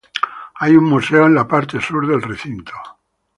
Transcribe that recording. Hay un museo en la parte sur del recinto.